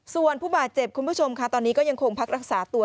ส่วนผู้บาดเจ็บคุณผู้ชมค่ะตอนนี้ก็ยังคงพักรักษาตัว